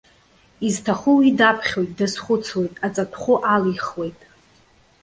Изҭаху уи даԥхьоит, дазхәыцуеит, аҵатәхәы алихуеит.